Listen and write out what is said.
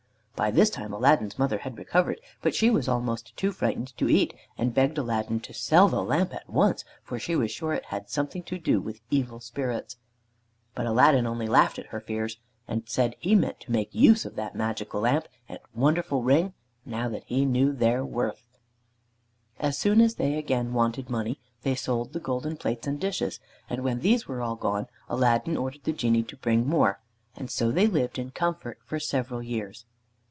By this time Aladdin's mother had recovered, but she was almost too frightened to eat, and begged Aladdin to sell the lamp at once, for she was sure it had something to do with evil spirits. But Aladdin only laughed at her fears, and said he meant to make use of the magic lamp and wonderful ring, now that he knew their worth. As soon as they again wanted money they sold the golden plates and dishes, and when these were all gone Aladdin ordered the Genie to bring more, and so they lived in comfort for several years.